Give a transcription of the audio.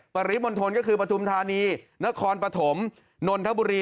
ปริมณฑลก็คือปฐุมธานีนครปฐมนนทบุรี